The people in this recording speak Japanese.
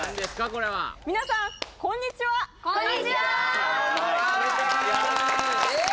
これは皆さんこんにちはこんにちは！